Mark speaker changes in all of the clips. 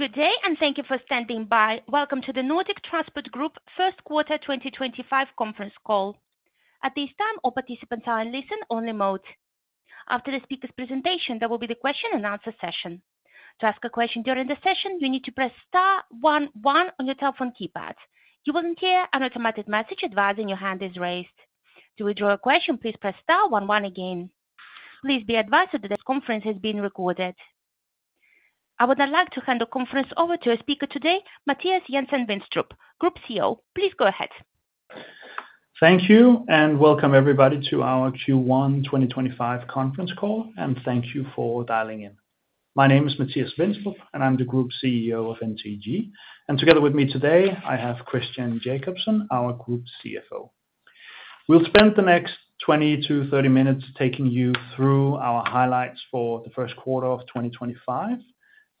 Speaker 1: Good day, and thank you for standing by. Welcome to the Nordic Transport Group first quarter 2025 conference call. At this time, all participants are on listen-only mode. After the speaker's presentation, there will be the Q&A session. To ask a question during the session, you need to press star one one on your telephone keypad. You will then hear an automated message advising your hand is raised. To withdraw a question, please press start one one again. Please be advised that this conference is being recorded. I would now like to hand the conference over to our speaker today, Mathias Jensen-Vinstrup, Group CEO. Please go ahead.
Speaker 2: Thank you, and welcome everybody to our Q1 2025 conference call, and thank you for dialing in. My name is Mathias Jensen-Vinstrup, and I'm the Group CEO of NTG. Together with me today, I have Christian Jakobsen, our Group CFO. We'll spend the next 20 to 30 minutes taking you through our highlights for the first quarter of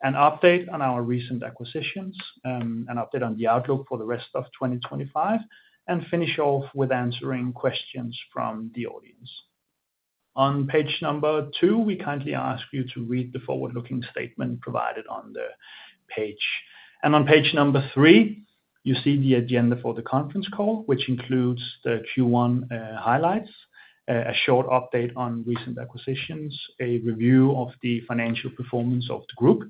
Speaker 2: 2025, an update on our recent acquisitions, an update on the outlook for the rest of 2025, and finish off with answering questions from the audience. On page number two, we kindly ask you to read the forward-looking statement provided on the page. On page number three, you see the agenda for the conference call, which includes the Q1 highlights, a short update on recent acquisitions, a review of the financial performance of the group,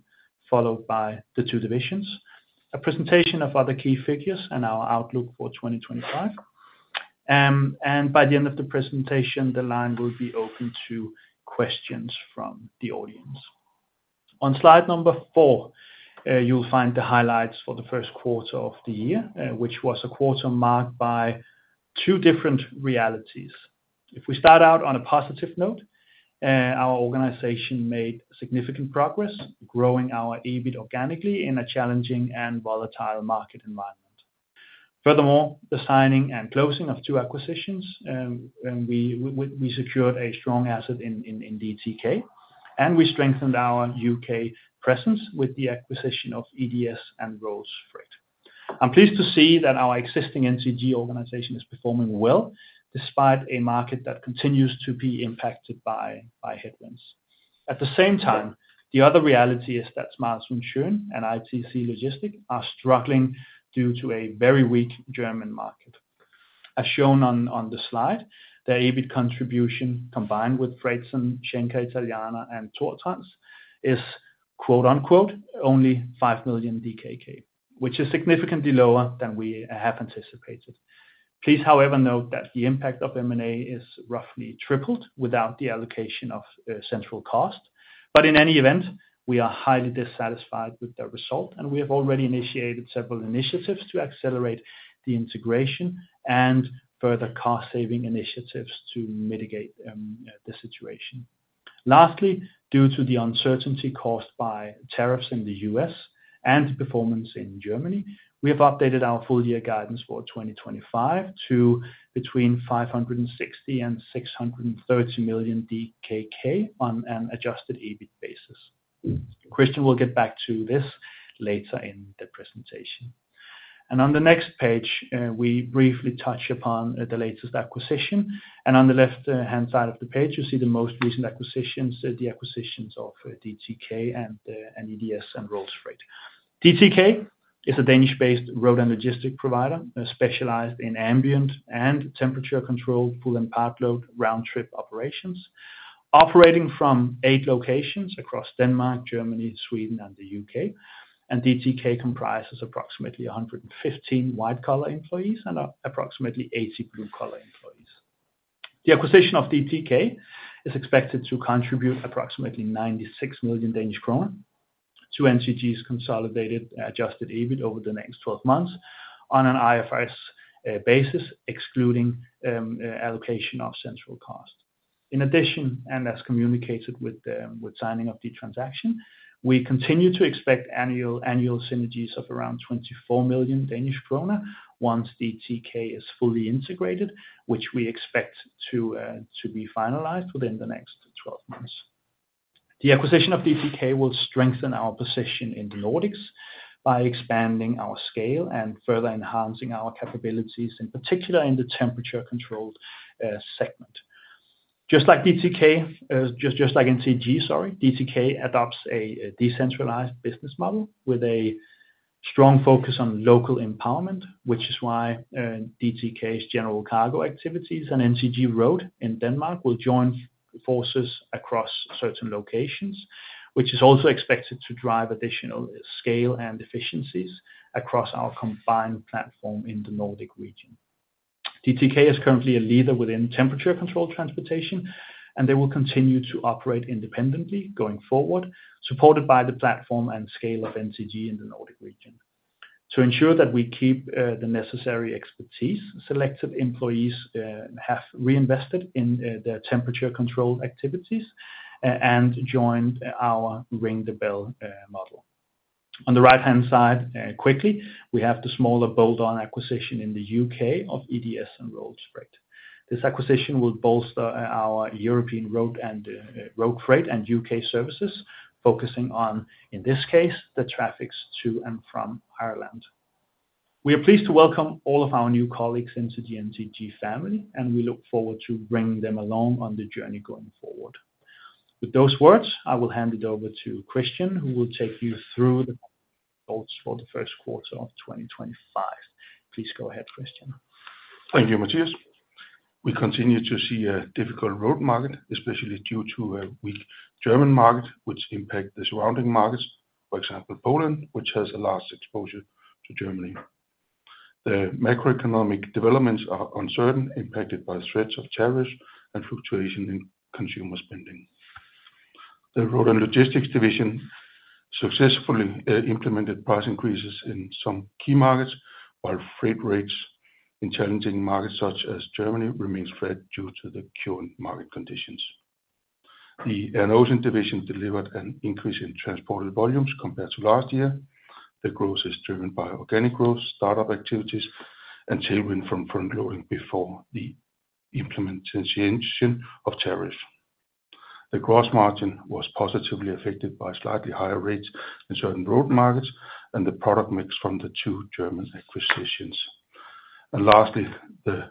Speaker 2: followed by the two divisions, a presentation of other key figures, and our outlook for 2025. By the end of the presentation, the line will be open to questions from the audience. On slide number four, you'll find the highlights for the first quarter of the year, which was a quarter marked by two different realities. If we start out on a positive note, our organization made significant progress, growing our EBITDA organically in a challenging and volatile market environment. Furthermore, with the signing and closing of two acquisitions, we secured a strong asset in DTK, and we strengthened our U.K. presence with the acquisition of EDS and Rolls-Royce. I'm pleased to see that our existing NTG organization is performing well despite a market that continues to be impacted by headwinds. At the same time, the other reality is that Schmalz+Schön and ITC Logistics are struggling due to a very weak German market. As shown on the slide, their EBITDA contribution, combined with Freightzen, Schenker Italiana, and Thortrans, is "only" 5 million DKK, which is significantly lower than we have anticipated. Please, however, note that the impact of M&A is roughly tripled without the allocation of central cost. In any event, we are highly dissatisfied with the result, and we have already initiated several initiatives to accelerate the integration and further cost-saving initiatives to mitigate the situation. Lastly, due to the uncertainty caused by tariffs in the U.S. and the performance in Germany, we have updated our full-year guidance for 2025 to between 560 million and 630 million DKK on an adjusted EBITDA basis. Christian will get back to this later in the presentation. On the next page, we briefly touch upon the latest acquisition. On the left-hand side of the page, you see the most recent acquisitions, the acquisitions of DTK and EDS and Rolls-Royce. DTK is a Danish-based road and logistics provider specialized in ambient and temperature-controlled full and part-load round-trip operations, operating from eight locations across Denmark, Germany, Sweden, and the U.K. DTK comprises approximately 115 white-collar employees and approximately 80 blue-collar employees. The acquisition of DTK is expected to contribute approximately 96 million Danish kroner to NTG's consolidated adjusted EBITDA over the next 12 months on an IFRS basis, excluding allocation of central cost. In addition, and as communicated with signing of the transaction, we continue to expect annual synergies of around 24 million Danish krone once DTK is fully integrated, which we expect to be finalized within the next 12 months. The acquisition of DTK will strengthen our position in The Nordics by expanding our scale and further enhancing our capabilities, in particular in the temperature-controlled segment. Just like NTG, sorry, DTK adopts a decentralized business model with a strong focus on local empowerment, which is why DTK's general cargo activities and NTG Road in Denmark will join forces across certain locations, which is also expected to drive additional scale and efficiencies across our combined platform in the Nordic region. DTK is currently a leader within temperature-controlled transportation, and they will continue to operate independently going forward, supported by the platform and scale of NTG in the Nordic region. To ensure that we keep the necessary expertise, selected employees have reinvested in their temperature-controlled activities and joined our ring-the-bell model. On the right-hand side, quickly, we have the smaller bolt-on acquisition in the U.K. of EDS and Rolls-Royce. This acquisition will bolster our European road freight and U.K. services, focusing on, in this case, the traffics to and from Ireland. We are pleased to welcome all of our new colleagues into the NTG family, and we look forward to bringing them along on the journey going forward. With those words, I will hand it over to Christian, who will take you through the results for the first quarter of 2025. Please go ahead, Christian.
Speaker 3: Thank you, Mathias. We continue to see a difficult road market, especially due to a weak German market, which impacts the surrounding markets, for example, Poland, which has a large exposure to Germany. The macroeconomic developments are uncertain, impacted by threats of tariffs and fluctuation in consumer spending. The Road and Logistics Division successfully implemented price increases in some key markets, while freight rates in challenging markets such as Germany remain flat due to the current market conditions. The Air & Ocean Division delivered an increase in transport volumes compared to last year. The growth is driven by organic growth, startup activities, and tailwind from front-loading before the implementation of tariffs. The gross margin was positively affected by slightly higher rates in certain road markets and the product mix from the two German acquisitions. The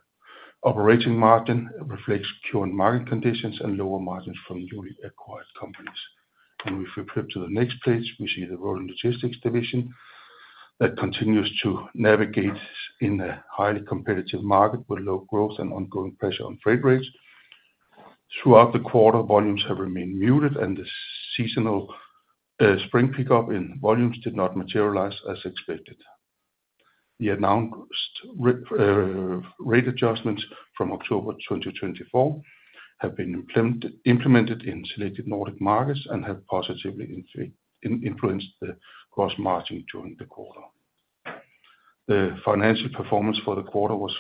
Speaker 3: operating margin reflects current market conditions and lower margins from newly acquired companies. If we flip to the next page, we see the Road and Logistics Division that continues to navigate in a highly competitive market with low growth and ongoing pressure on freight rates. Throughout the quarter, volumes have remained muted, and the seasonal spring pickup in volumes did not materialize as expected. The announced rate adjustments from October 2024 have been implemented in selected Nordic markets and have positively influenced the gross margin during the quarter. The financial performance for the quarter was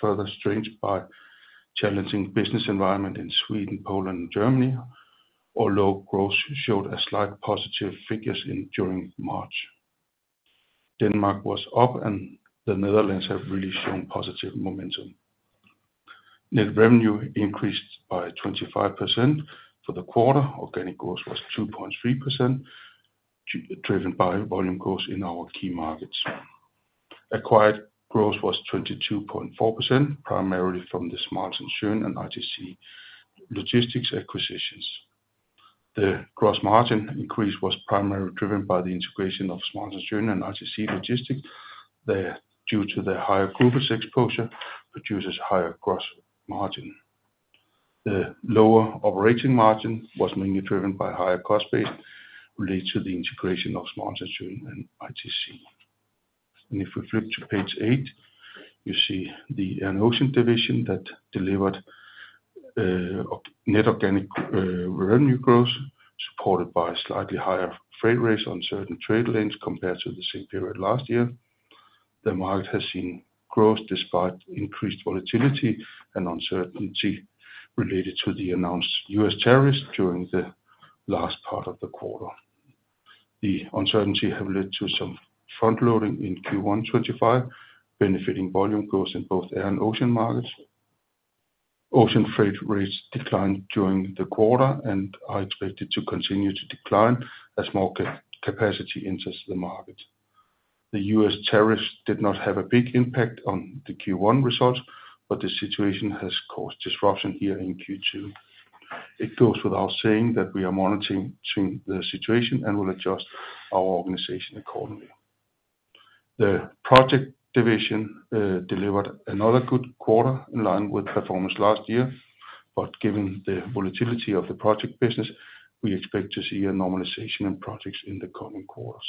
Speaker 3: further strengthened by the challenging business environment in Sweden, Poland, and Germany, although growth showed slight positive figures during March. Denmark was up, and the Netherlands have really shown positive momentum. Net revenue increased by 25% for the quarter. Organic growth was 2.3%, driven by volume growth in our key markets. Acquired growth was 22.4%, primarily from the SCHMALZ+SCHÖN and ITC Logistics acquisitions. The gross margin increase was primarily driven by the integration of SCHMALZ+SCHÖN and ITC Logistics, due to their higher global exposure, which produces higher gross margin. The lower operating margin was mainly driven by higher cost-based relief to the integration of SCHMALZ+SCHÖN and ITC. If we flip to page eight, you see the Air and Ocean Division that delivered net organic revenue growth, supported by slightly higher freight rates on certain trade lanes compared to the same period last year. The market has seen growth despite increased volatility and uncertainty related to the announced U.S. tariffs during the last part of the quarter. The uncertainty has led to some front-loading in Q1 2025, benefiting volume growth in both air and ocean markets. Ocean freight rates declined during the quarter and are expected to continue to decline as more capacity enters the market. The U.S. tariffs did not have a big impact on the Q1 results, but the situation has caused disruption here in Q2. It goes without saying that we are monitoring the situation and will adjust our organization accordingly. The Project Division delivered another good quarter in line with performance last year, but given the volatility of the project business, we expect to see a normalization in projects in the coming quarters.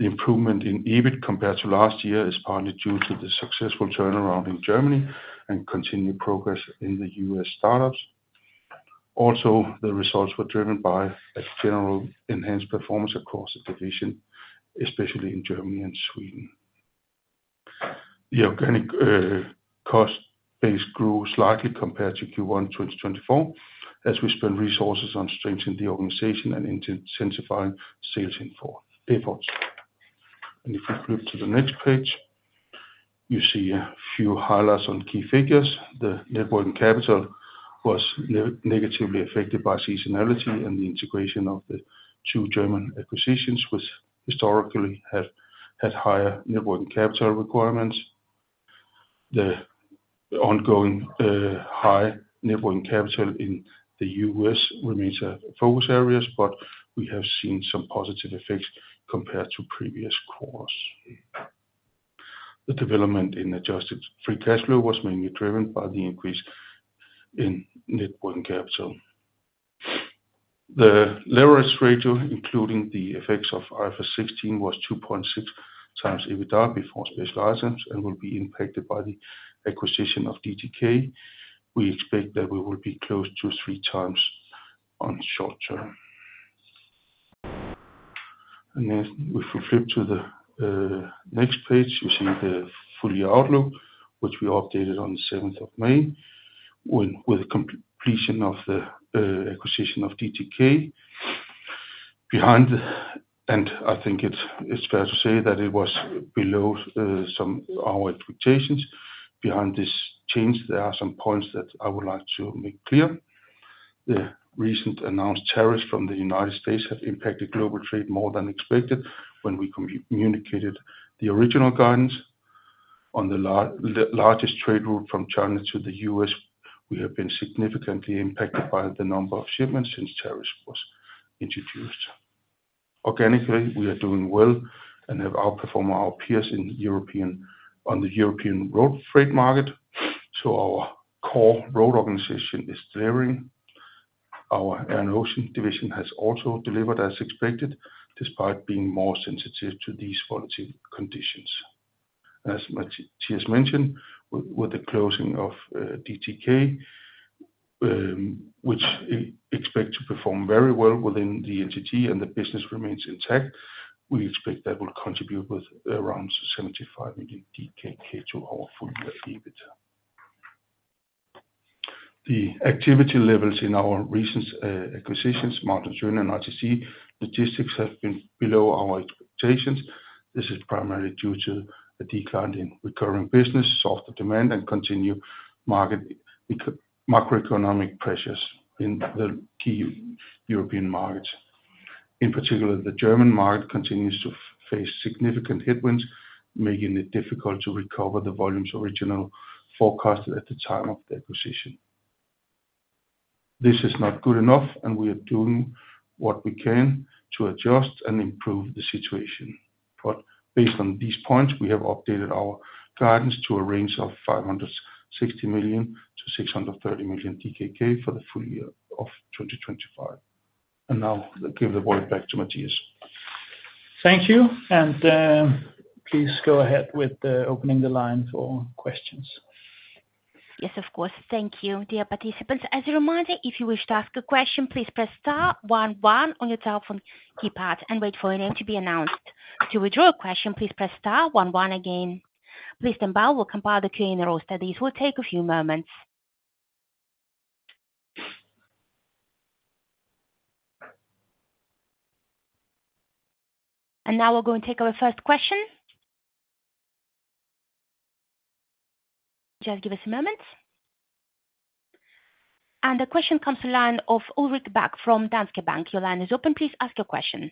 Speaker 3: The improvement in EBITDA compared to last year is partly due to the successful turnaround in Germany and continued progress in the US startups. Also, the results were driven by a general enhanced performance across the division, especially in Germany and Sweden. The organic cost base grew slightly compared to Q1 2024 as we spent resources on strengthening the organization and intensifying sales efforts. If we flip to the next page, you see a few highlights on key figures. The networking capital was negatively affected by seasonality and the integration of the two German acquisitions, which historically had higher networking capital requirements. The ongoing high networking capital in the U.S. remains a focus area, but we have seen some positive effects compared to previous quarters. The development in adjusted free cash flow was mainly driven by the increase in networking capital. The leverage ratio, including the effects of IFRS 16, was 2.6 times EBITDA before special items and will be impacted by the acquisition of DTK. We expect that we will be close to three times on short term. If we flip to the next page, you see the full-year outlook, which we updated on the 7th of May with the completion of the acquisition of DTK. I think it's fair to say that it was below some of our expectations. Behind this change, there are some points that I would like to make clear. The recently announced tariffs from the United States have impacted global trade more than expected when we communicated the original guidance. On the largest trade route from China to the U.S., we have been significantly impacted by the number of shipments since tariffs were introduced. Organically, we are doing well and have outperformed our peers on the European road freight market. Our core road organization is clearing. Our Air & Ocean Division has also delivered as expected, despite being more sensitive to these volatile conditions. As Mathias mentioned, with the closing of DTK, which expects to perform very well within NTG and the business remains intact, we expect that will contribute with around 75 million DKK to our full-year EBITDA. The activity levels in our recent acquisitions, SCHMALZ+SCHÖN and ITC Logistics, have been below our expectations. This is primarily due to a decline in recurring business, softer demand, and continued macroeconomic pressures in the key European markets. In particular, the German market continues to face significant headwinds, making it difficult to recover the volumes originally forecasted at the time of the acquisition. This is not good enough, and we are doing what we can to adjust and improve the situation. Based on these points, we have updated our guidance to a range of 560 million-630 million DKK for the full year of 2025. I'll give the word back to Mathias.
Speaker 2: Thank you. Please go ahead with opening the line for questions.
Speaker 1: Yes, of course. Thank you, dear participants. As a reminder, if you wish to ask a question, please press star one one on your telephone keypad and wait for your name to be announced. To withdraw a question, please press star one one again. Please stand by. We'll compile the Q&A roll, so this will take a few moments. Now we're going to take our first question. Just give us a moment. The question comes from the line of Ulrik Berg from Danske Bank. Your line is open. Please ask your question.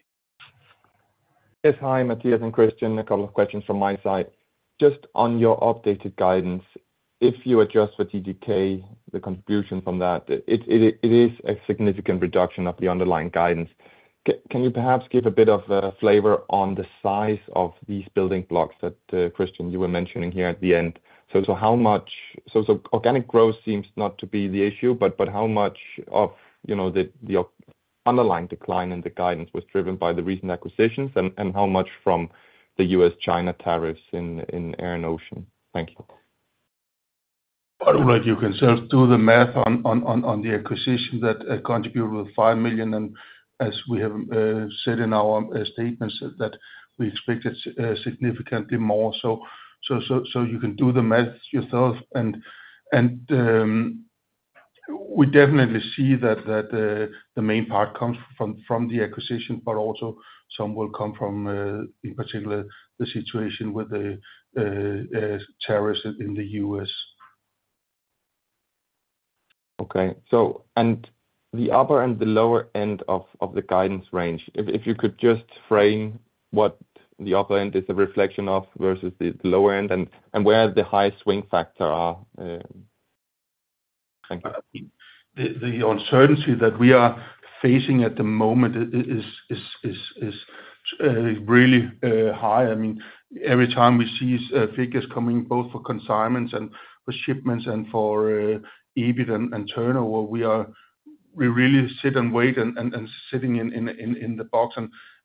Speaker 4: Yes. Hi, Mathias and Christian. A couple of questions from my side. Just on your updated guidance, if you adjust for DTK, the contribution from that, it is a significant reduction of the underlying guidance. Can you perhaps give a bit of flavor on the size of these building blocks that, Christian, you were mentioning here at the end? So how much organic growth seems not to be the issue, but how much of the underlying decline in the guidance was driven by the recent acquisitions, and how much from the U.S. China tariffs in air and ocean? Thank you.
Speaker 3: I don't know if you can do the math on the acquisition that contributed with 5 million. As we have said in our statements, we expected significantly more. You can do the math yourself. We definitely see that the main part comes from the acquisition, but also some will come from, in particular, the situation with the tariffs in the U.S.
Speaker 4: Okay. The upper and the lower end of the guidance range, if you could just frame what the upper end is a reflection of versus the lower end, and where the high swing facts are. Thank you.
Speaker 3: The uncertainty that we are facing at the moment is really high. I mean, every time we see figures coming, both for consignments and for shipments and for EBITDA and turnover, we really sit and wait and sit in the box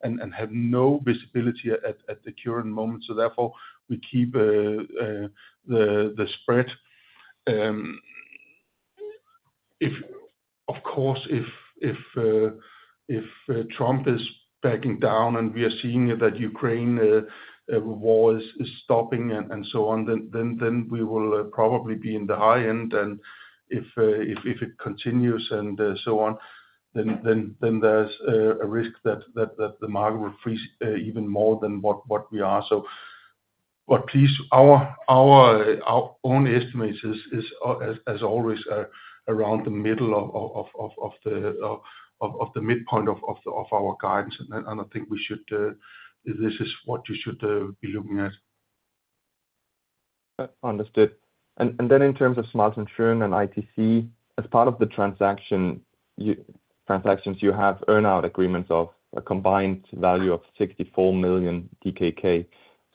Speaker 3: and have no visibility at the current moment. Therefore, we keep the spread. Of course, if Trump is backing down and we are seeing that Ukraine war is stopping and so on, we will probably be in the high end. If it continues and so on, there is a risk that the market will freeze even more than what we are. Please, our own estimates is, as always, around the middle of the midpoint of our guidance. I think this is what you should be looking at.
Speaker 4: Understood. In terms of SCHMALZ+SCHÖN and ITC, as part of the transactions, you have earnout agreements of a combined value of 64 million DKK.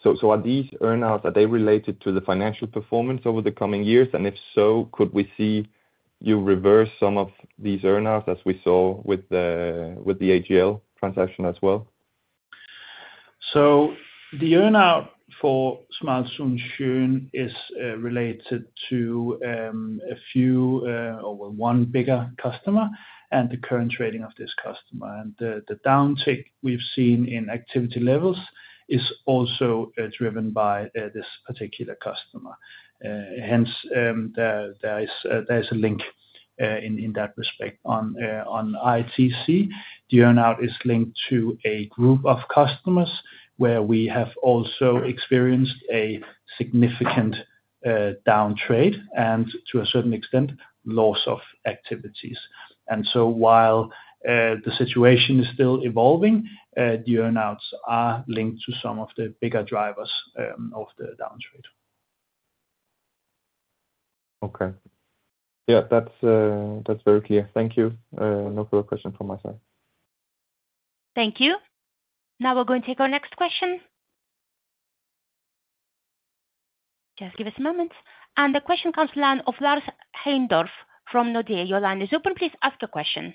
Speaker 4: Are these earnouts related to the financial performance over the coming years? If so, could we see you reverse some of these earnouts as we saw with the AGL transaction as well?
Speaker 2: The earnout for SCHMALZ+SCHÖN is related to a few or one bigger customer and the current rating of this customer. The downtick we've seen in activity levels is also driven by this particular customer. Hence, there is a link in that respect. On ITC, the earnout is linked to a group of customers where we have also experienced a significant downtrade and, to a certain extent, loss of activities. While the situation is still evolving, the earnouts are linked to some of the bigger drivers of the downtrade.
Speaker 4: Okay. Yeah, that's very clear. Thank you. No further questions from my side.
Speaker 1: Thank you. Now we're going to take our next question. Just give us a moment. The question comes from Lars Heindorf from Nordea. Your line is open. Please ask your question.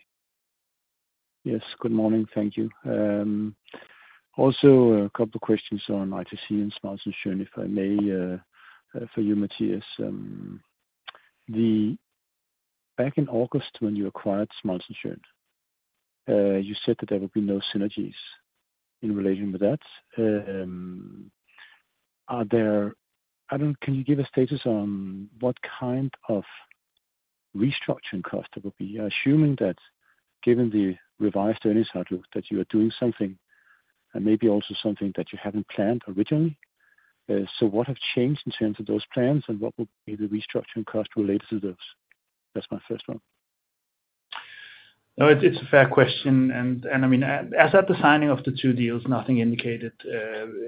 Speaker 5: Yes. Good morning. Thank you. Also, a couple of questions on ITC and SCHMALZ+SCHÖN, if I may, for you, Mathias. Back in August, when you acquired SCHMALZ+SCHÖN, you said that there would be no synergies in relation with that. Can you give a status on what kind of restructuring cost it would be, assuming that given the revised earnings outlook that you are doing something and maybe also something that you haven't planned originally? What has changed in terms of those plans and what would be the restructuring cost related to those? That's my first one.
Speaker 2: No, it's a fair question. I mean, as at the signing of the two deals, nothing indicated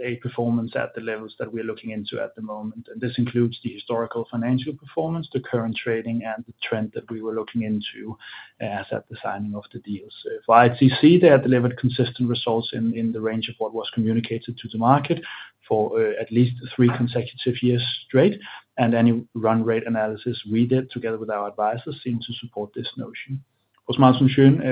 Speaker 2: a performance at the levels that we are looking into at the moment. This includes the historical financial performance, the current trading, and the trend that we were looking into as at the signing of the deals. For ITC, they had delivered consistent results in the range of what was communicated to the market for at least three consecutive years straight. Any run rate analysis we did together with our advisors seemed to support this notion. For SCHMALZ+SCHÖN,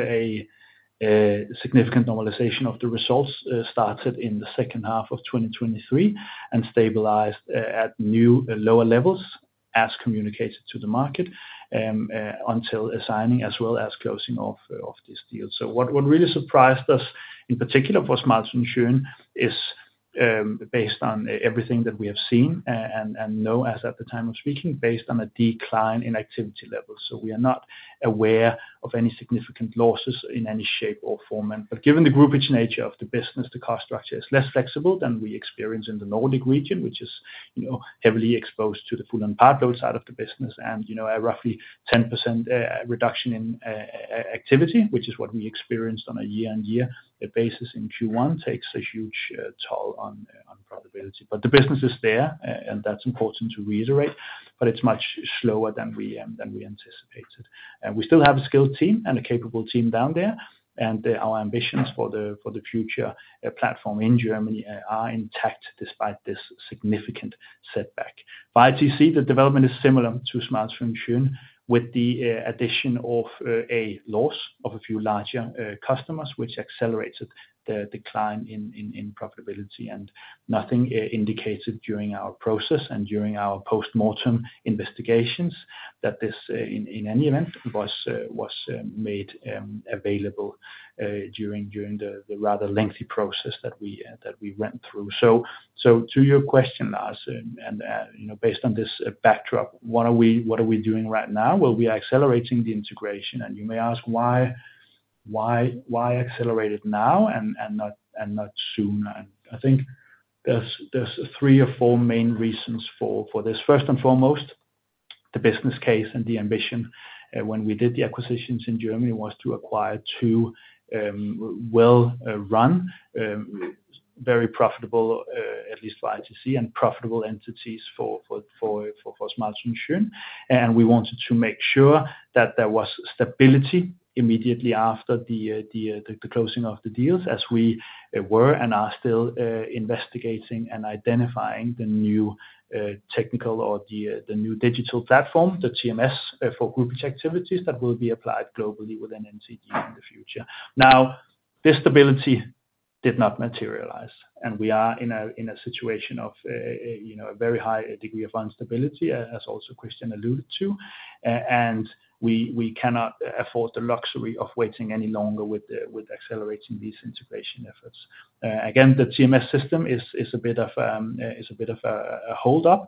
Speaker 2: a significant normalization of the results started in the second half of 2023 and stabilized at new lower levels as communicated to the market until signing as well as closing of this deal. What really surprised us in particular for SCHMALZ+SCHÖN is, based on everything that we have seen and know as at the time of speaking, based on a decline in activity levels. We are not aware of any significant losses in any shape or form. Given the groupage nature of the business, the cost structure is less flexible than we experience in the Nordic region, which is heavily exposed to the full-and-part load side of the business. A roughly 10% reduction in activity, which is what we experienced on a year-on-year basis in Q1, takes a huge toll on profitability. The business is there, and that's important to reiterate, but it's much slower than we anticipated. We still have a skilled team and a capable team down there. Our ambitions for the future platform in Germany are intact despite this significant setback. For ITC, the development is similar to SCHMALZ+SCHÖN with the addition of a loss of a few larger customers, which accelerated the decline in profitability. Nothing indicated during our process and during our post-mortem investigations that this, in any event, was made available during the rather lengthy process that we went through. To your question, Lars, and based on this backdrop, what are we doing right now? We are accelerating the integration. You may ask why accelerate it now and not sooner. I think there are three or four main reasons for this. First and foremost, the business case and the ambition. When we did the acquisitions in Germany, it was to acquire two well-run, very profitable, at least for ITC, and profitable entities for SCHMALZ+SCHÖN. We wanted to make sure that there was stability immediately after the closing of the deals, as we were and are still investigating and identifying the new technical or the new digital platform, the TMS for groupage activities that will be applied globally within NTG in the future. This stability did not materialize. We are in a situation of a very high degree of instability, as also Christian alluded to. We cannot afford the luxury of waiting any longer with accelerating these integration efforts. The TMS system is a bit of a hold-up.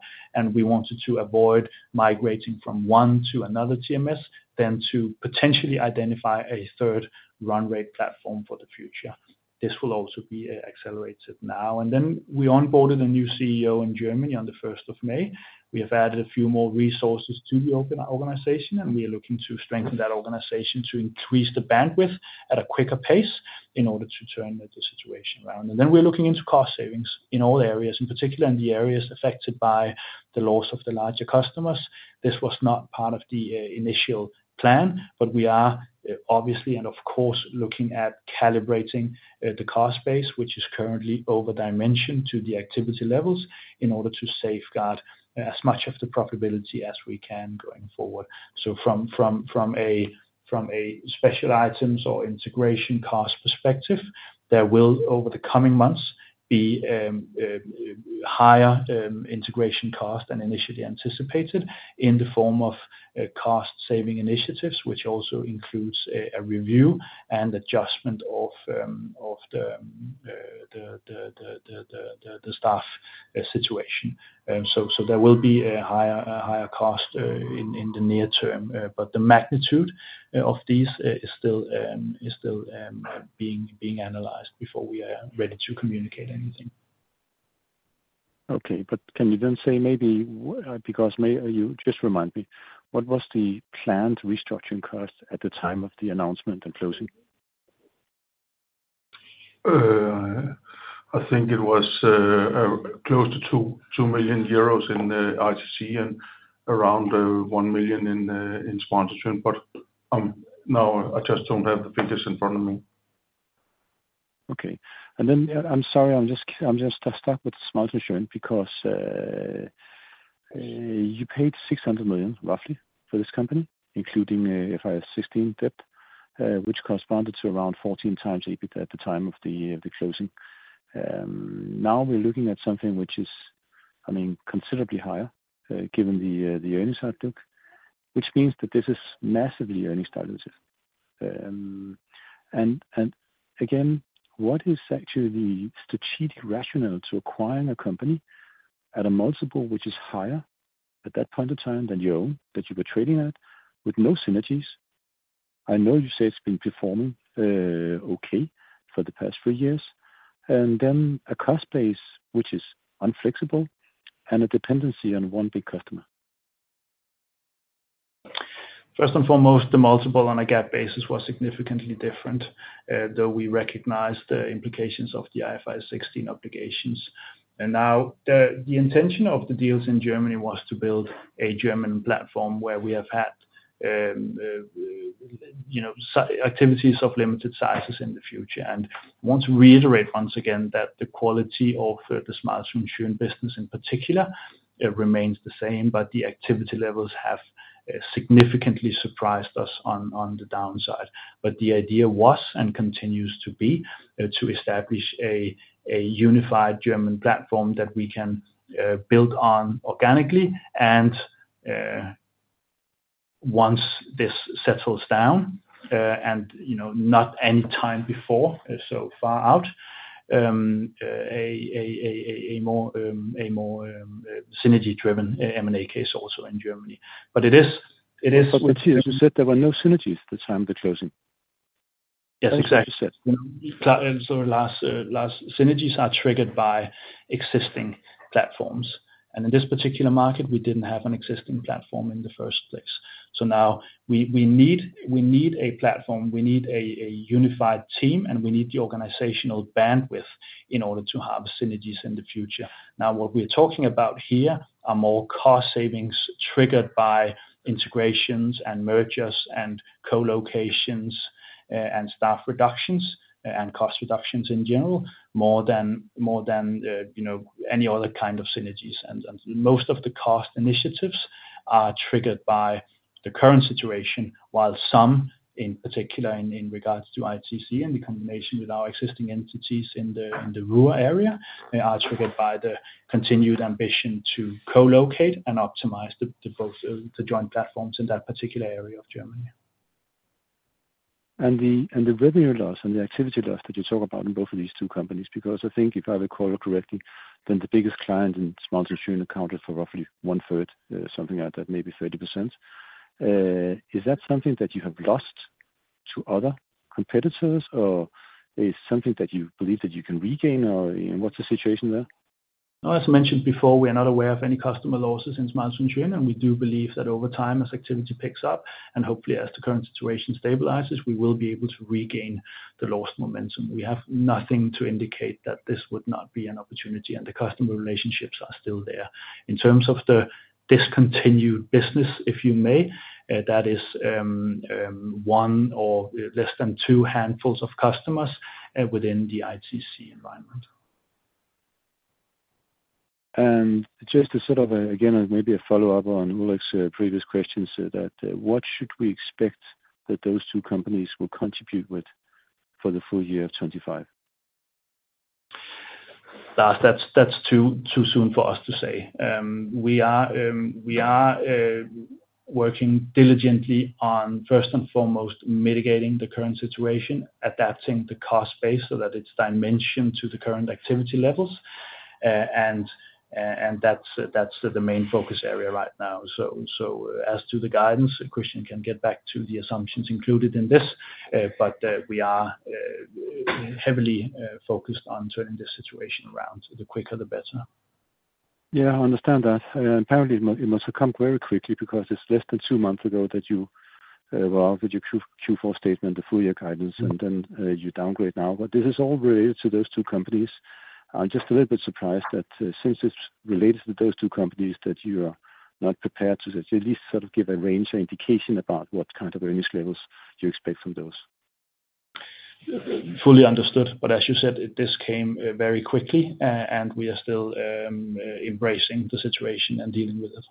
Speaker 2: We wanted to avoid migrating from one to another TMS, then to potentially identify a third run rate platform for the future. This will also be accelerated now. We onboarded a new CEO in Germany on the 1st of May. We have added a few more resources to the organization, and we are looking to strengthen that organization to increase the bandwidth at a quicker pace in order to turn the situation around. We are looking into cost savings in all areas, in particular in the areas affected by the loss of the larger customers. This was not part of the initial plan, but we are obviously and of course looking at calibrating the cost base, which is currently overdimensioned to the activity levels, in order to safeguard as much of the profitability as we can going forward. From a special items or integration cost perspective, there will, over the coming months, be higher integration cost than initially anticipated in the form of cost-saving initiatives, which also includes a review and adjustment of the staff situation. There will be a higher cost in the near term, but the magnitude of these is still being analyzed before we are ready to communicate anything.
Speaker 5: Okay. Can you then say maybe, because you just remind me, what was the planned restructuring cost at the time of the announcement and closing?
Speaker 3: I think it was close to 2 million euros in ITC Logistics and around 1 million in SCHMALZ+SCHÖN, but now I just don't have the figures in front of me.
Speaker 5: Okay. I'm sorry, I'm just stuck with SCHMALZ+SCHÖN because you paid 600 million, roughly, for this company, including IFRS 16 debt, which corresponded to around 14 times EBITDA at the time of the closing. Now we're looking at something which is, I mean, considerably higher given the earnings outlook, which means that this is massively earnings-targeted. Again, what is actually the strategic rationale to acquiring a company at a multiple which is higher at that point of time than your own, that you were trading at, with no synergies? I know you say it's been performing okay for the past three years. Then a cost base which is unflexible and a dependency on one big customer.
Speaker 2: First and foremost, the multiple on a gap basis was significantly different, though we recognized the implications of the IFRS 16 obligations. The intention of the deals in Germany was to build a German platform where we have had activities of limited sizes in the future. I want to reiterate once again that the quality of the SCHMALZ+SCHÖN business in particular remains the same, but the activity levels have significantly surprised us on the downside. The idea was and continues to be to establish a unified German platform that we can build on organically. Once this settles down, and not any time before so far out, a more synergy-driven M&A case also in Germany. It is.
Speaker 5: Mathias, you said there were no synergies at the time of the closing.
Speaker 2: Yes, exactly. Sorry, Lars. Synergies are triggered by existing platforms. In this particular market, we did not have an existing platform in the first place. Now we need a platform, we need a unified team, and we need the organizational bandwidth in order to have synergies in the future. What we are talking about here are more cost savings triggered by integrations and mergers and co-locations and staff reductions and cost reductions in general, more than any other kind of synergies. Most of the cost initiatives are triggered by the current situation, while some, in particular in regards to ITC and the combination with our existing entities in the Ruhr area, are triggered by the continued ambition to co-locate and optimize the joint platforms in that particular area of Germany.
Speaker 5: The revenue loss and the activity loss that you talk about in both of these two companies, because I think if I recall correctly, then the biggest client in SCHMALZ+SCHÖN accounted for roughly one-third, something like that, maybe 30%. Is that something that you have lost to other competitors, or is it something that you believe that you can regain, or what's the situation there?
Speaker 2: No, as mentioned before, we are not aware of any customer losses in SCHMALZ+SCHÖN. We do believe that over time, as activity picks up and hopefully as the current situation stabilizes, we will be able to regain the lost momentum. We have nothing to indicate that this would not be an opportunity, and the customer relationships are still there. In terms of the discontinued business, if you may, that is one or less than two handfuls of customers within the ITC environment.
Speaker 5: Just to sort of, again, maybe a follow-up on Ulrik's previous question, what should we expect that those two companies will contribute with for the full year of 2025?
Speaker 2: Lars, that's too soon for us to say. We are working diligently on, first and foremost, mitigating the current situation, adapting the cost base so that it's dimensioned to the current activity levels. That's the main focus area right now. As to the guidance, Christian can get back to the assumptions included in this, but we are heavily focused on turning this situation around. The quicker, the better.
Speaker 5: Yeah, I understand that. Apparently, it must have come very quickly because it's less than two months ago that you were out with your Q4 statement, the full-year guidance, and then you downgrade now. This is all related to those two companies. I'm just a little bit surprised that since it's related to those two companies that you are not prepared to at least sort of give a range or indication about what kind of earnings levels you expect from those.
Speaker 2: Fully understood. As you said, this came very quickly, and we are still embracing the situation and dealing with it.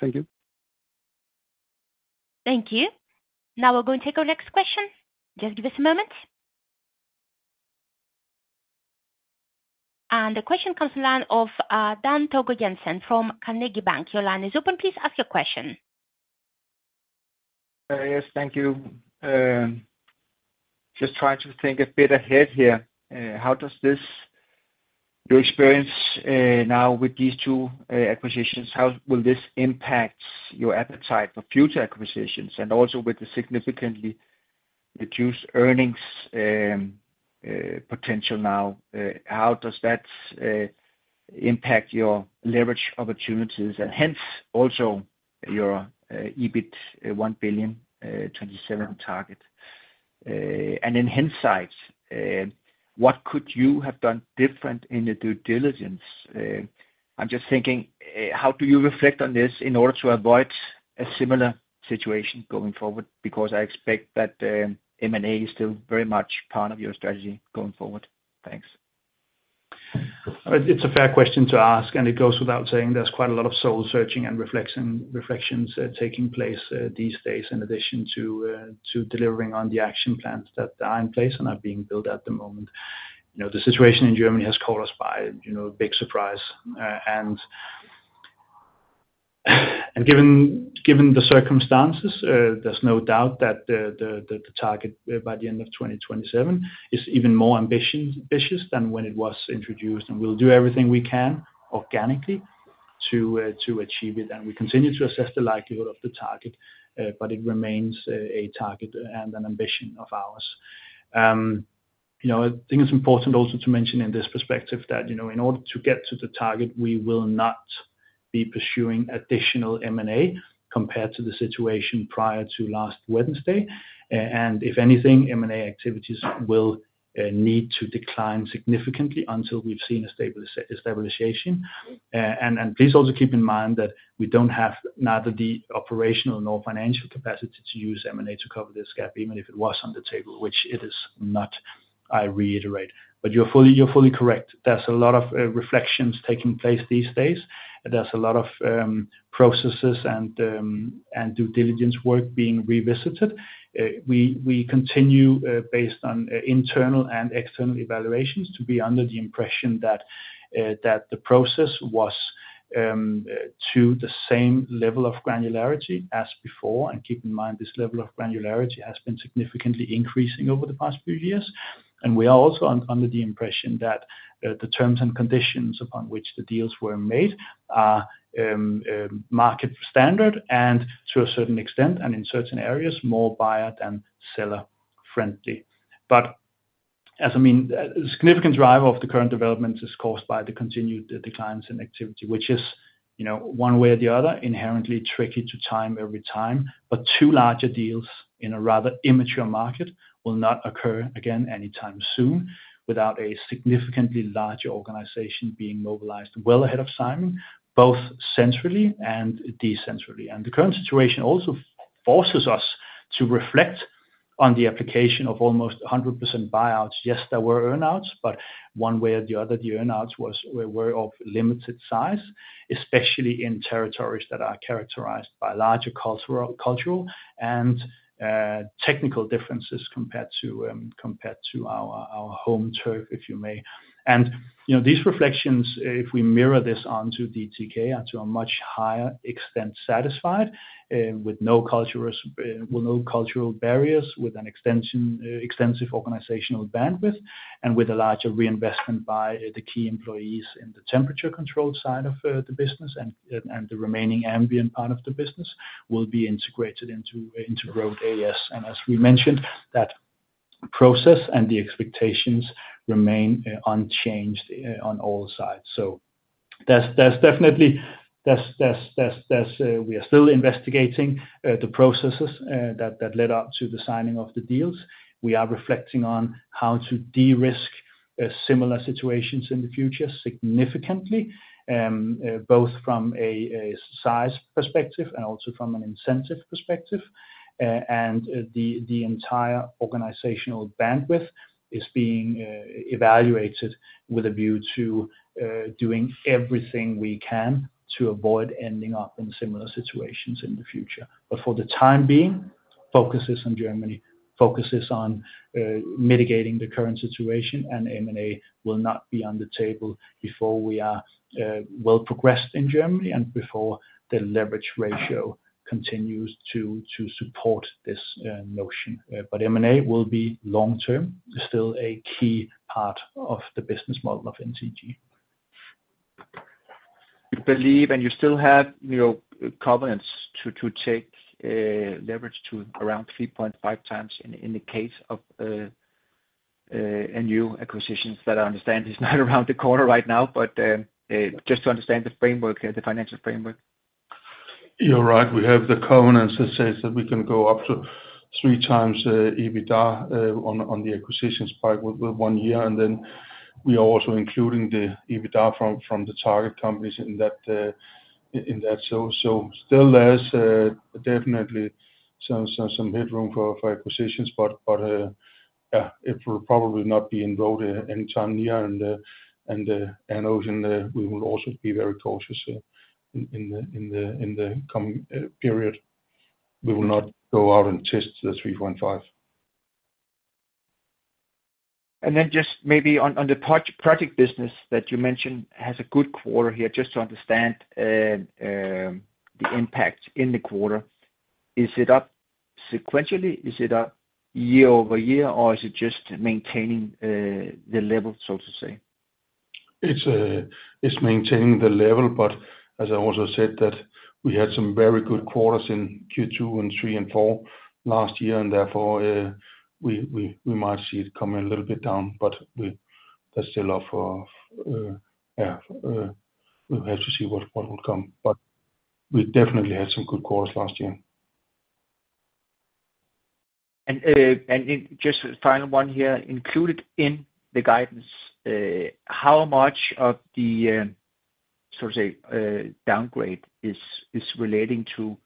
Speaker 5: Thank you.
Speaker 1: Thank you. Now we're going to take our next question. Just give us a moment. The question comes from Dan Togo Jensen from Carnegie Bank. Your line is open. Please ask your question.
Speaker 6: Yes, thank you. Just trying to think a bit ahead here. How does your experience now with these two acquisitions? How will this impact your appetite for future acquisitions? Also, with the significantly reduced earnings potential now, how does that impact your leverage opportunities and hence also your EBITDA DKK 1.27 billion target? In hindsight, what could you have done different in the due diligence? I'm just thinking, how do you reflect on this in order to avoid a similar situation going forward? I expect that M&A is still very much part of your strategy going forward. Thanks.
Speaker 2: It's a fair question to ask, and it goes without saying. There's quite a lot of soul-searching and reflections taking place these days, in addition to delivering on the action plans that are in place and are being built at the moment. The situation in Germany has caught us by a big surprise. Given the circumstances, there's no doubt that the target by the end of 2027 is even more ambitious than when it was introduced. We'll do everything we can organically to achieve it. We continue to assess the likelihood of the target, but it remains a target and an ambition of ours. I think it's important also to mention in this perspective that in order to get to the target, we will not be pursuing additional M&A compared to the situation prior to last Wednesday. If anything, M&A activities will need to decline significantly until we've seen a stabilization. Please also keep in mind that we do not have either the operational or financial capacity to use M&A to cover this gap, even if it was on the table, which it is not, I reiterate. You are fully correct. There is a lot of reflection taking place these days. There are a lot of processes and due diligence work being revisited. We continue, based on internal and external evaluations, to be under the impression that the process was to the same level of granularity as before. Keep in mind, this level of granularity has been significantly increasing over the past few years. We are also under the impression that the terms and conditions upon which the deals were made are market standard and, to a certain extent, and in certain areas, more buyer than seller friendly. As I mean, a significant driver of the current developments is caused by the continued declines in activity, which is one way or the other inherently tricky to time every time. Two larger deals in a rather immature market will not occur again anytime soon without a significantly larger organization being mobilized well ahead of time, both centrally and decentrally. The current situation also forces us to reflect on the application of almost 100% buyouts. Yes, there were earnouts, but one way or the other, the earnouts were of limited size, especially in territories that are characterized by larger cultural and technical differences compared to our home turf, if you may. These reflections, if we mirror this onto DTK, are to a much higher extent satisfied with no cultural barriers, with an extensive organizational bandwidth, and with a larger reinvestment by the key employees in the temperature control side of the business, and the remaining ambient part of the business will be integrated into growth AS. As we mentioned, that process and the expectations remain unchanged on all sides. We are still investigating the processes that led up to the signing of the deals. We are reflecting on how to de-risk similar situations in the future significantly, both from a size perspective and also from an incentive perspective. The entire organizational bandwidth is being evaluated with a view to doing everything we can to avoid ending up in similar situations in the future. For the time being, focus is on Germany, focus is on mitigating the current situation, and M&A will not be on the table before we are well progressed in Germany and before the leverage ratio continues to support this notion. M&A will be long-term, still a key part of the business model of NTG.
Speaker 6: You believe and you still have covenants to take leverage to around 3.5 times in the case of new acquisitions that I understand is not around the corner right now, but just to understand the framework, the financial framework.
Speaker 3: You're right. We have the covenants that say that we can go up to three times EBITDA on the acquisitions part with one year. We are also including the EBITDA from the target companies in that. Still, there's definitely some headroom for acquisitions, but yeah, it will probably not be in Ruhr anytime near. I know we will also be very cautious in the coming period. We will not go out and test the 3.5%.
Speaker 6: Just maybe on the project business that you mentioned has a good quarter here, just to understand the impact in the quarter. Is it up sequentially? Is it up year over year, or is it just maintaining the level, so to say?
Speaker 3: It's maintaining the level, but as I also said, that we had some very good quarters in Q2 and Q3 and Q4 last year, and therefore we might see it come a little bit down, but that's still off. Yeah, we'll have to see what will come. But we definitely had some good quarters last year.
Speaker 6: Just a final one here. Included in the guidance, how much of the, so to say, downgrade is relating to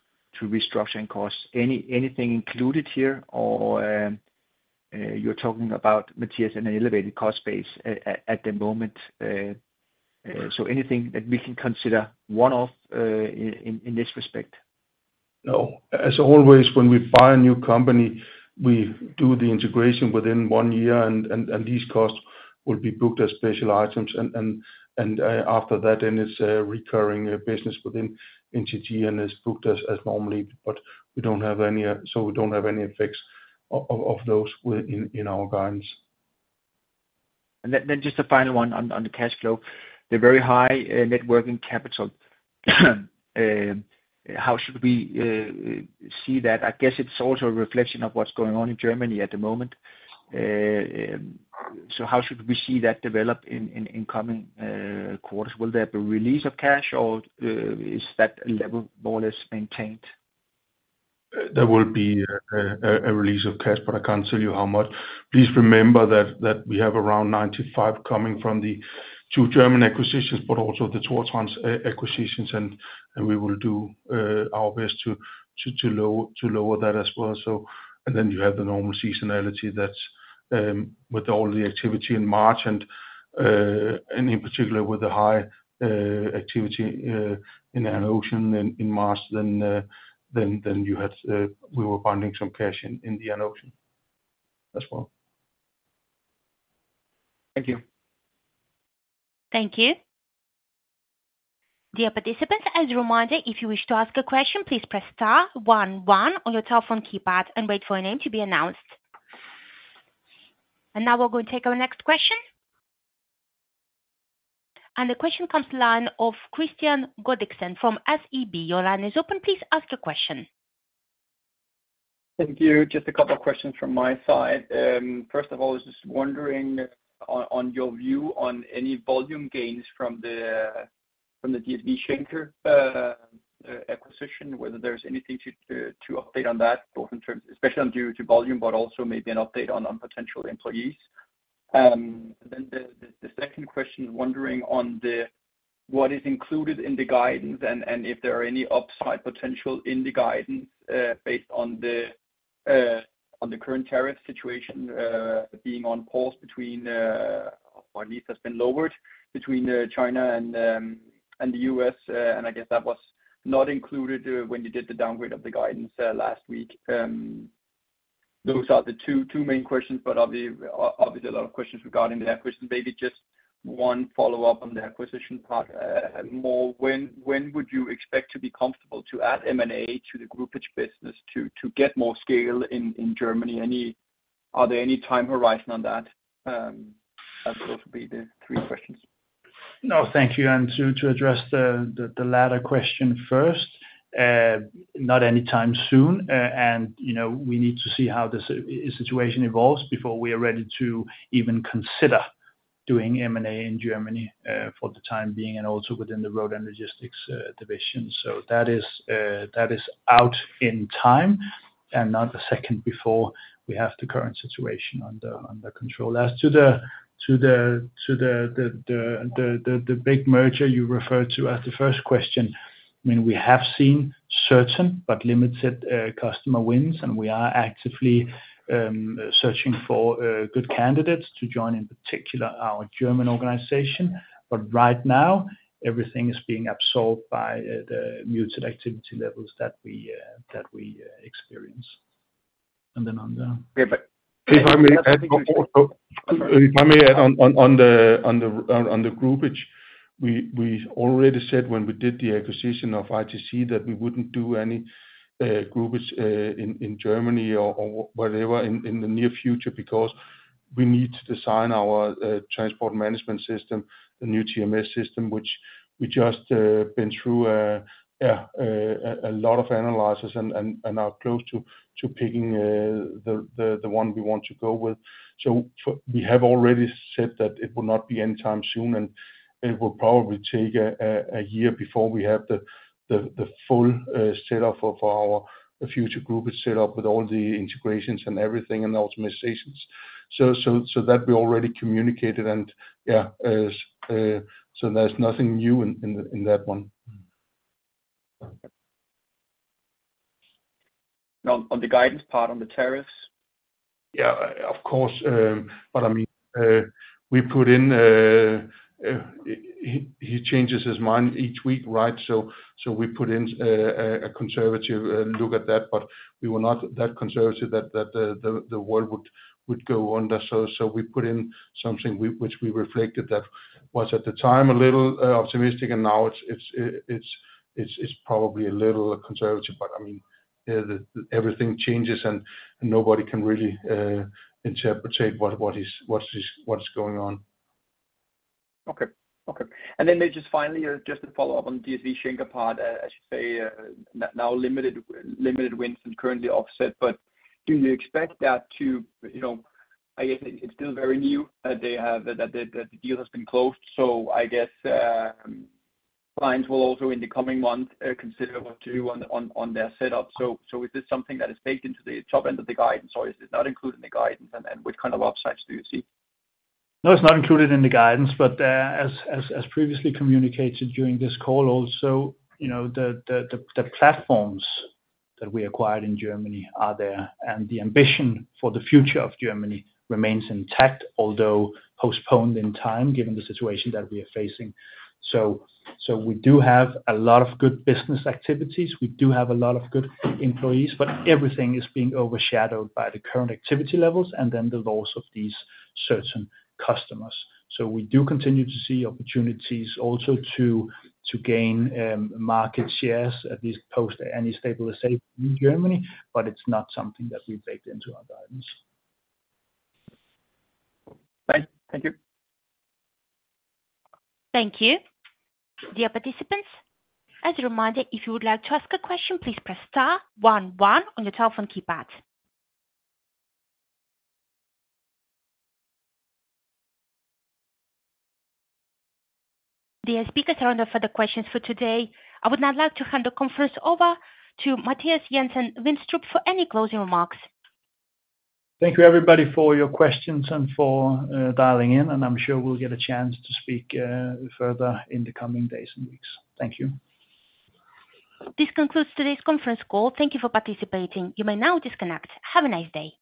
Speaker 6: restructuring costs? Anything included here, or you're talking about, Mathias, an elevated cost base at the moment? Anything that we can consider one-off in this respect?
Speaker 3: No. As always, when we buy a new company, we do the integration within one year, and these costs will be booked as special items. After that, then it's a recurring business within NTG and is booked as normally. We don't have any, so we don't have any effects of those in our guidance.
Speaker 6: Just a final one on the cash flow. The very high networking capital, how should we see that? I guess it is also a reflection of what is going on in Germany at the moment. How should we see that develop in coming quarters? Will there be a release of cash, or is that level more or less maintained?
Speaker 3: There will be a release of cash, but I can't tell you how much. Please remember that we have around 95 million coming from the two German acquisitions, but also the two other acquisitions. We will do our best to lower that as well. You have the normal seasonality that's with all the activity in March, and in particular with the high activity in the air and ocean in March, then we were binding some cash in the air and ocean as well.
Speaker 6: Thank you.
Speaker 1: Thank you. Dear participants, as a reminder, if you wish to ask a question, please press star 11 on your telephone keypad and wait for your name to be announced. We are going to take our next question. The question comes to the line of Khristian Godiksen from SEB. Your line is open. Please ask your question.
Speaker 7: Thank you. Just a couple of questions from my side. First of all, I was just wondering on your view on any volume gains from the DB Schenker acquisition, whether there's anything to update on that, both in terms especially on due to volume, but also maybe an update on potential employees. The second question is wondering on what is included in the guidance and if there are any upside potential in the guidance based on the current tariff situation being on pause between or at least has been lowered between China and the U.S.? I guess that was not included when you did the downgrade of the guidance last week. Those are the two main questions, but obviously a lot of questions regarding the acquisition. Maybe just one follow-up on the acquisition part. When would you expect to be comfortable to add M&A to the groupage business to get more scale in Germany? Are there any time horizon on that? Those would be the three questions.
Speaker 2: No, thank you. To address the latter question first, not anytime soon. We need to see how the situation evolves before we are ready to even consider doing M&A in Germany for the time being and also within the Road and Logistics Division. That is out in time and not a second before we have the current situation under control. As to the big merger you referred to as the first question, I mean, we have seen certain but limited customer wins, and we are actively searching for good candidates to join, in particular, our German organization. Right now, everything is being absolved by the muted activity levels that we experience. Then on the.
Speaker 3: If I may add on the groupage, we already said when we did the acquisition of ITC that we would not do any groupage in Germany or whatever in the near future because we need to design our transport management system, the new TMS system, which we just have been through a lot of analysis and are close to picking the one we want to go with. We have already said that it will not be anytime soon, and it will probably take a year before we have the full setup for our future groupage setup with all the integrations and everything and the optimizations. That we already communicated, and yeah, there is nothing new in that one.
Speaker 7: On the guidance part, on the tariffs?
Speaker 3: Yeah, of course. I mean, we put in he changes his mind each week, right? We put in a conservative look at that, but we were not that conservative that the world would go under. We put in something which we reflected that was at the time a little optimistic, and now it is probably a little conservative. I mean, everything changes, and nobody can really interpret what is going on.
Speaker 7: Okay. Okay. And then just finally, just to follow up on the DB Schenker part, as you say, now limited wins and currently offset. Do you expect that to, I guess it's still very new that the deal has been closed. I guess clients will also in the coming months consider what to do on their setup. Is this something that is baked into the top end of the guidance, or is it not included in the guidance, and what kind of upsides do you see?
Speaker 2: No, it's not included in the guidance. But as previously communicated during this call, also the platforms that we acquired in Germany are there, and the ambition for the future of Germany remains intact, although postponed in time given the situation that we are facing. We do have a lot of good business activities. We do have a lot of good employees, but everything is being overshadowed by the current activity levels and then the loss of these certain customers. We do continue to see opportunities also to gain market shares at least post any stabilization in Germany, but it's not something that we baked into our guidance.
Speaker 7: Thank you.
Speaker 1: Thank you. Dear participants, as a reminder, if you would like to ask a question, please press star one one on your telephone keypad. The speakers are on the further questions for today. I would now like to hand the conference over to Mathias Jensen-Vinstrup for any closing remarks.
Speaker 2: Thank you, everybody, for your questions and for dialing in, and I'm sure we'll get a chance to speak further in the coming days and weeks. Thank you.
Speaker 1: This concludes today's conference call. Thank you for participating. You may now disconnect. Have a nice day.